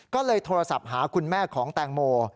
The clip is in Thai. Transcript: ก็เลยโทรศัพท์หาคุณแม่ของแตงโม